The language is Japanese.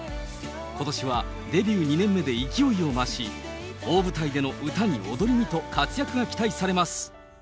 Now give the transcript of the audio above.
ことしはデビュー２年目で勢いを増し、大舞台での歌に踊りにと、活躍が期待されます。